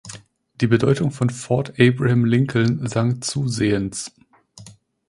Die Bedeutung von Fort Abraham Lincoln sank zusehends.